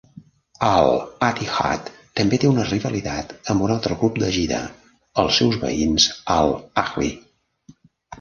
Al-Ittihad també té una rivalitat amb un altre club de Jeddah, els seus veïns Al-Ahli.